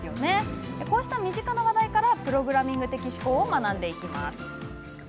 こうした身近な話題からプログラミング的思考を学んでいきます。